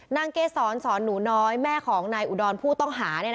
เกษรสอนหนูน้อยแม่ของนายอุดรผู้ต้องหา